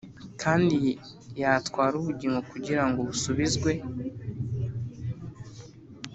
kandi yatwara ubugingo kugirango busubizwe